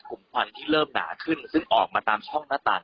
กลุ่มควันที่เริ่มหนาขึ้นซึ่งออกมาตามช่องหน้าต่าง